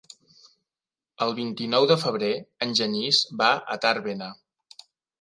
El vint-i-nou de febrer en Genís va a Tàrbena.